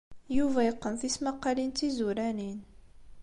Yuba yeqqen tismaqqalin d tizuranin.